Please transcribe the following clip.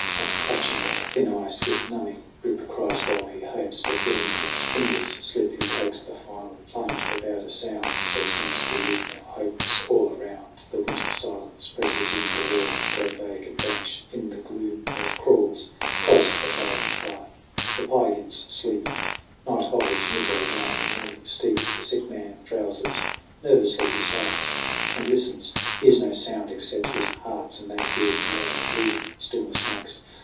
One clutching at thin ice with numbing grip Cries while he hopes ; but when his fingers slip, He takes the final plunge without a sound. So sinks the youth now, hopeless. All around The winter silence presses in ; the walls Grow vague and vanish in the gloom that crawls Close to the failing fire. The Piegans sleep. Night hovers midway down the morning steep. The sick man drowses. Nervously he starts And listens; hears no sound except his heart's And that weird murmur brooding stillness makes.